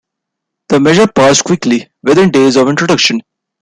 The measure passed quickly, within days of introduction.